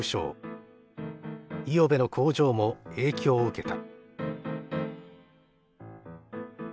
五百部の工場も影響を受けた。